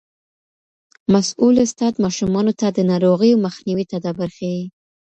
مسؤول استاد ماشومانو ته د ناروغیو مخنیوي تدابیر ښيي.